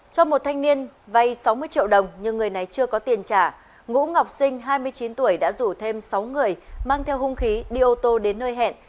trong một thanh niên vay sáu mươi triệu đồng nhưng người này chưa có tiền trả ngũ ngọc sinh hai mươi chín tuổi đã rủ thêm sáu người mang theo hung khí đi ô tô đến nơi hẹn